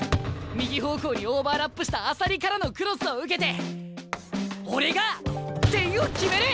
右方向にオーバーラップした朝利からのクロスを受けて俺が点を決める！